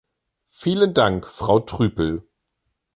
Vielen Dank, Frau Trüpel.